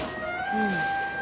うん。